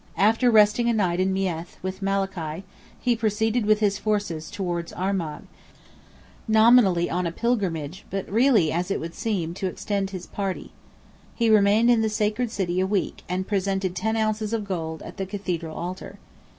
After resting a night in Meath, with Malachy, he proceeded with his forces towards Armagh, nominally on a pilgrimage, but really, as it would seem, to extend his party. He remained in the sacred city a week, and presented ten ounces of gold, at the Cathedral altar.